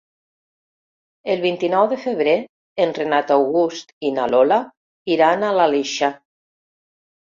El vint-i-nou de febrer en Renat August i na Lola iran a l'Aleixar.